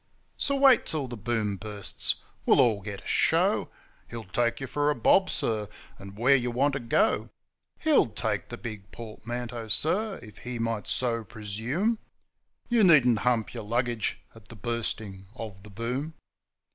So wait till the Boom bursts! we'll all get a show; He'll 'take you for a bob, sir,' and where you want to go. He'll 'take the big portmanteau, sir, if he might so presume' You needn't hump your luggage at the Bursting of the Boom.